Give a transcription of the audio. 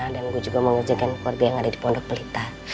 dan gue juga mau ngejagain keluarga yang ada di pondok pelita